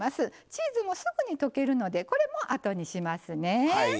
チーズもすぐに溶けるのでこれもあとにしますね。